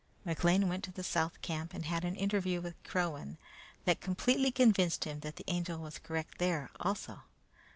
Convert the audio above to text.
McLean went to the South camp and had an interview with Crowen that completely convinced him that the Angel was correct there also.